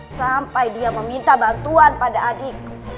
sampai dia meminta bantuan pada adikku